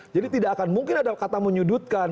jadi tidak akan mungkin ada kata menyudutkan